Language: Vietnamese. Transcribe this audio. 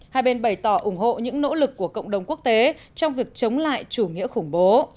hai bên bày tỏ ủng hộ những nỗ lực của cộng đồng quốc tế trong việc chống lại chủ nghĩa khủng bố